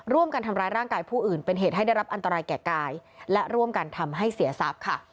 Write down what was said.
ร่วมกันทำร้ายร่างกายผู้อื่นเป็นเหตุให้ได้รับอันตรายแก่กายและร่วมกันทำให้เสียทรัพย์ค่ะ